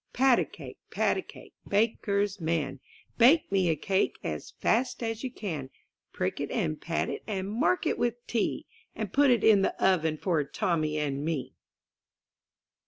^ IN THE NURSERY pAT A CAKE, pat a cake, baker's man! Bake me a cake as fast as you can; Prick it, and pat it, and mark it with T, And put it in the oven for Tommy and me.